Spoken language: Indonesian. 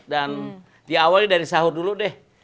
dan diawali dari sahur dulu deh